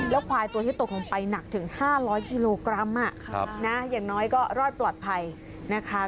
แล้วควายตัวที่ตกลงไปหนักถึงห้าร้อยกิโลกรัมอ่ะครับนะอย่างน้อยก็รอดปลอดภัยนะคะ